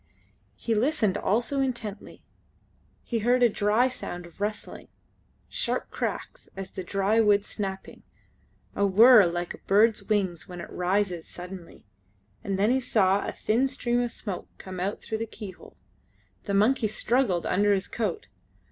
He listened also intently. He heard a dry sound of rustling; sharp cracks as of dry wood snapping; a whirr like of a bird's wings when it rises suddenly, and then he saw a thin stream of smoke come through the keyhole. The monkey struggled under his coat.